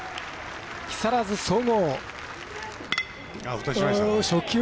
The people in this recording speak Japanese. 木更津総合。